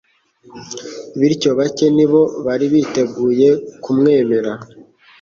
bityo bake ni bo bari biteguye kumwemera